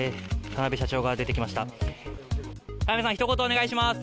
田辺さん、ひと言お願いします。